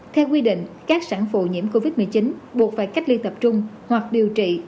theo quy định các sản phụ nhiễm covid một mươi chín buộc phải cách ly tập trung hoặc điều trị